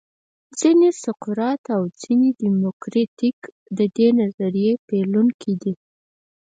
ځینې سقرات او ځینې دیموکریت د دې نظریې پیلوونکي بولي